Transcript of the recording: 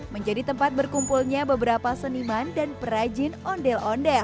menjadi tempat berkumpulnya beberapa seniman dan perajin ondel ondel